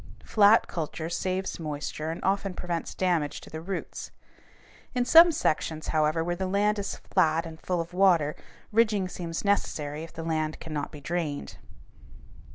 Flat culture saves moisture and often prevents damage to the roots. In some sections, however, where the land is flat and full of water, ridging seems necessary if the land cannot be drained.